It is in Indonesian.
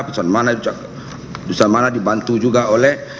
pusat mana dibantu juga oleh